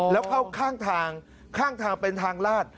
แล้วเข้าข้างทางข้างทางเป็นทางลาด